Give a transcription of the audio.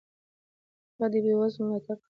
هغه د بېوزلو ملاتړ کاوه.